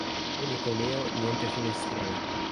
Unico neo, niente finestrini.